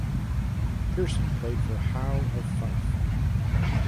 Pearson played for Howe of Fife.